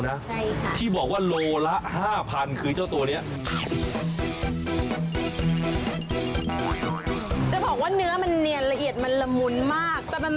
นี่น่าล่ะของเรามันถึงได้ต่างจากคนอื่นครับ